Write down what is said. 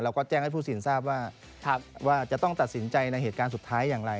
แล้วก็แจ้งให้ผู้สินทราบว่าจะต้องตัดสินใจในเหตุการณ์สุดท้ายอย่างไร